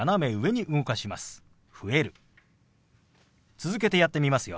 続けてやってみますよ。